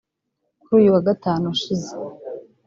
Kuri uyu wa gatanu ushize